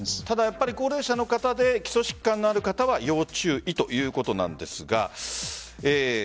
ただ、やっぱり高齢者の方で基礎疾患のある方は要注意ということなんですが。